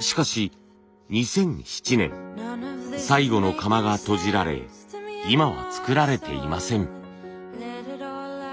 しかし２００７年最後の窯が閉じられ今は作られていません。